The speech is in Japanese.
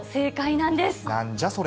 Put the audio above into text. なんじゃそれ。